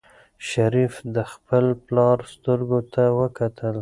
شریف د خپل پلار سترګو ته وکتل.